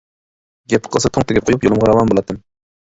گەپ قىلسا توڭ تېگىپ قويۇپ يولۇمغا راۋان بولاتتىم.